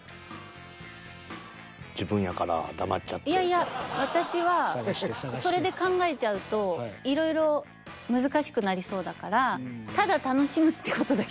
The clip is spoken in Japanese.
いやいや私はそれで考えちゃうといろいろ難しくなりそうだから。